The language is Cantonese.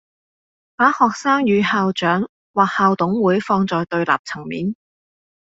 把學生與校長或校董會放在對立層面